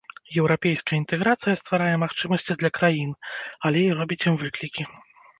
Еўрапейская інтэграцыя стварае магчымасці для краін, але і робіць ім выклікі.